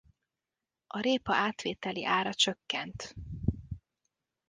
A répa átvételi ára csökkent.